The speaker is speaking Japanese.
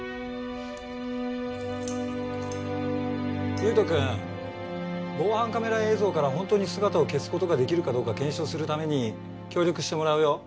悠斗くん防犯カメラ映像から本当に姿を消す事ができるかどうか検証するために協力してもらうよ。